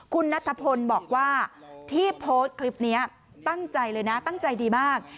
คุณนัทพลบอกว่าที่โพสต์คลิปนี้ตั้งใจเลยนะตั้งใจดีมาก